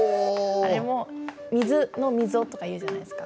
あれも「水の溝」とか言うじゃないですか。